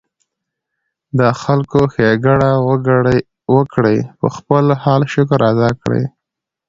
د خلکو ښېګړه وکړي ، پۀ خپل حال شکر ادا کړي